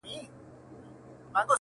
نه نجلۍ یې له فقیره سوای غوښتلای-